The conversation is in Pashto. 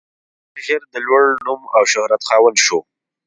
ډېر ژر د لوړ نوم او شهرت خاوند شو.